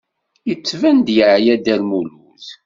Yettban-d yeɛya Dda Lmulud.